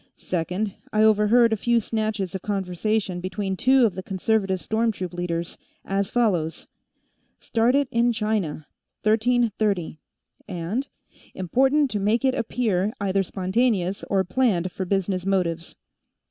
Second, I overheard a few snatches of conversation between two of the Conservative storm troop leaders, as follows: '... Start it in China ... thirteen thirty,' and '... Important to make it appear either spontaneous or planned for business motives.'"